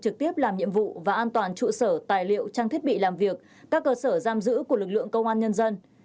trực tiếp làm nhiệm vụ và an toàn trụ sở tài liệu trang thiết bị làm việc các cơ sở giam giữ của lực lượng công an nhân dân